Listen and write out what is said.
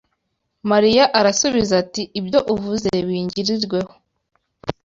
Mariya arasubiza ati Ibyo uvuze bingirirweho